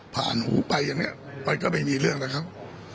ผ่านหูไปอย่างนี้ปล่อยก็ไม่มีเรื่องอะไรครับ